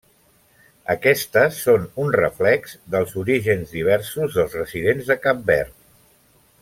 Aquestes són un reflex dels orígens diversos dels residents de Cap Verd.